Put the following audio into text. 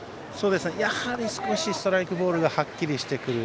やはり少しストライク、ボールがはっきりしてくる。